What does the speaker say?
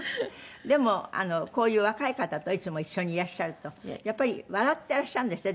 でもこういう若い方といつも一緒にいらっしゃるとやっぱり笑ってらっしゃるんですって？